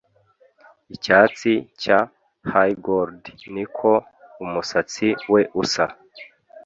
icyatsi cya haygold niko umusatsi we usa